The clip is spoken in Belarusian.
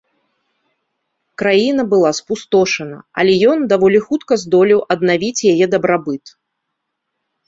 Краіна была спустошана, але ён даволі хутка здолеў аднавіць яе дабрабыт.